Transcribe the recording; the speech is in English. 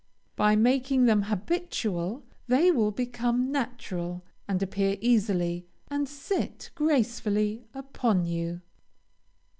By making them habitual, they will become natural, and appear easily, and sit gracefully upon you.